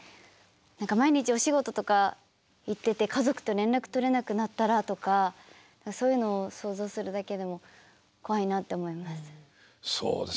毎日お仕事とか行ってて家族と連絡取れなくなったらとかそういうのを想像するだけでも怖いなって思います。